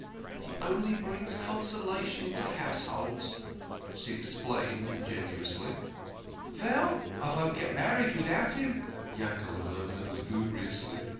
" He only brings consolation into households," she ex plained ingenuously. "Veil, I won't get married midout him," Yankel mur mured lugubriously.